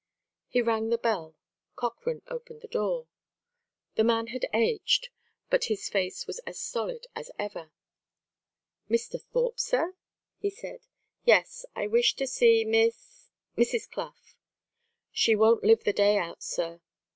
He rang the bell. Cochrane opened the door. The man had aged; but his face was as stolid as ever. "Mr. Thorpe, sir?" he said. "Yes; I wish to see Miss Mrs. Clough." "She won't live the day out, sir."